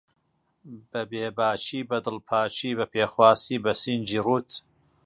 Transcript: بەبێ باکی، بەدڵپاکی، بەپێخواسی بەسینگی ڕووت